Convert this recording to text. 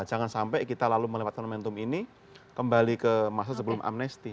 jangan sampai kita lalu melewatkan momentum ini kembali ke masa sebelum amnesti